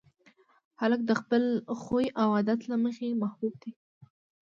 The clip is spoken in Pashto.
هلک د خپل خوی او عادت له مخې محبوب دی.